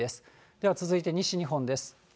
では続いて西日本です。